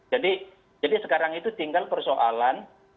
jadi jadi sekarang itu tinggal persoalan